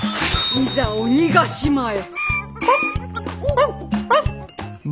いざ鬼ヶ島へ。